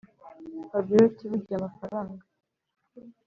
fabiora ati”burya amafaranga